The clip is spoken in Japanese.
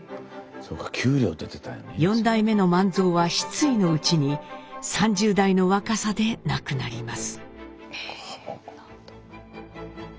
４代目の万蔵は失意のうちに３０代の若さで亡くなります。